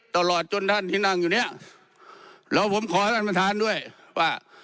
ตลอดจนท่านที่นั่งอยู่เนี่ยแล้วผมขอให้ท่านประธานด้วยว่า